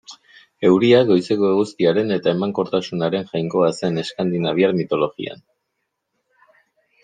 Euria, goizeko eguzkiaren eta emankortasunaren jainkoa zen eskandinaviar mitologian.